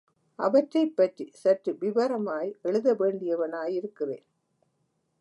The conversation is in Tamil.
அவற்றைப் பற்றி சற்று விவரமாய் எழுத வேண்டியவனாயிருக்கிறேன்.